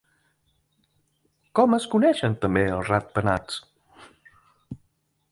Com es coneixen també els ratpenats?